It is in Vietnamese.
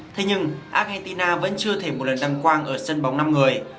thế nhưng argentina vẫn chưa thể một lần đăng quang ở sân bóng năm người